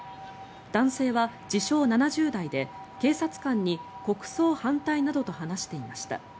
男性は自称・７０代で警察官に国葬反対などと話していました。